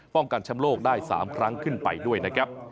ป้องกันแชมป์โลกได้๓ครั้งขึ้นไปด้วยนะครับ